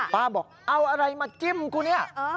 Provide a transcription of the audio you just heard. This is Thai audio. บอกเอาอะไรมาจิ้มกูเนี่ย